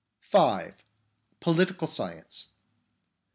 (5) Political Science.